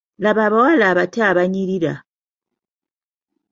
Laba abawala abato abanyirira.